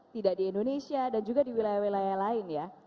tidak di indonesia dan juga di wilayah wilayah lain ya